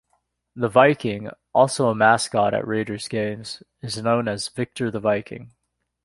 The Viking, also a mascot at Raiders' games, is known as Victor the Viking.